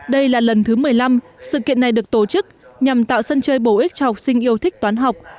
đây là lần thứ một mươi năm sự kiện này được tổ chức nhằm tạo sân chơi bổ ích cho học sinh yêu thích toán học